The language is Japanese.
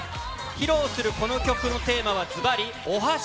披露するこの曲のテーマはずばりお箸。